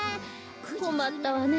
こまったわね。